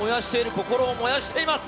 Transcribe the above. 心を燃やしています！